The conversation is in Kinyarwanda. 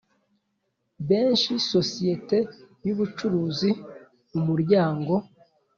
Benshi Sosiyete Y Ubucuruzi Umuryango